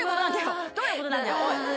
どういうことなんだよ？